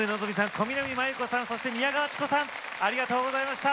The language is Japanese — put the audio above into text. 小南満佑子さんそして宮川知子さんありがとうございました！